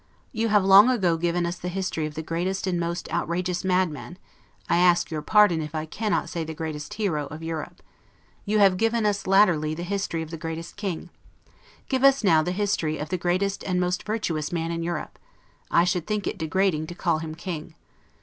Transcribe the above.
You have long ago given us the history of the greatest and most outrageous madman (I ask your pardon if I cannot say the greatest hero) of Europe; you have given us latterly the history of the greatest king; give us now the history of the greatest and most virtuous man in Europe; I should think it degrading to call him king.